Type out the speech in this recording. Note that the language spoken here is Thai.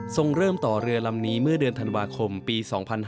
เริ่มต่อเรือลำนี้เมื่อเดือนธันวาคมปี๒๕๕๙